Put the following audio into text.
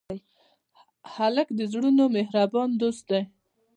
هلک د زړونو مهربان دوست دی.